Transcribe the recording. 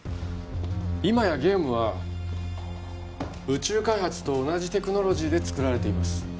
今やゲームは宇宙開発と同じテクノロジーで作られています